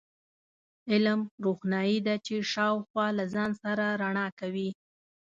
علم، روښنایي ده چې شاوخوا له ځان سره رڼا کوي.